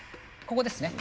ここですね。